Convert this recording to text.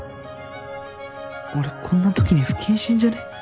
俺こんな時に不謹慎じゃね？